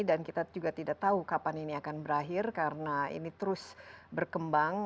dan kita juga tidak tahu kapan ini akan berakhir karena ini terus berkembang